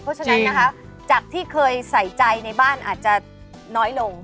เพราะฉะนั้นนะคะจากที่เคยใส่ใจในบ้านอาจจะน้อยลง